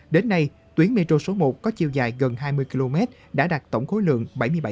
đến nay tuyến metro số một có chiều dài gần hai mươi km đã đạt tổng khối lượng bảy mươi bảy